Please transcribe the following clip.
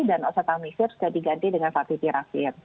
dan oksetamifir sudah diganti dengan vaksin tirafir